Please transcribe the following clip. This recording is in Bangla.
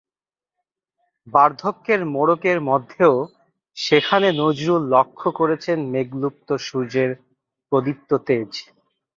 বার্ধক্যের মোড়কের মধ্যেও সেখানে নজরুল লক্ষ করেছেন মেঘলুপ্ত সূর্যের প্রদীপ্ত তেজ।